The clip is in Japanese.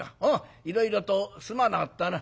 いろいろとすまなかったな。